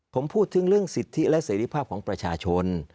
ผมพูดถึงเรื่องสิทธิและเสรีภาพของประชาชน